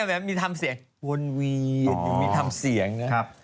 วนเวียนมีธรรมเสียงนะ